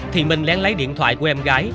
thì minh lén lấy điện thoại của em gái